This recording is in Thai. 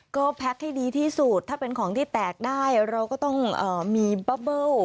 ก็แพ็คให้ดีที่สุดถ้าเป็นของที่แตกได้เราก็ต้องมีบ้าเบิ้ล